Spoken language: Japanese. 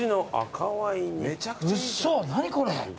めちゃくちゃいい。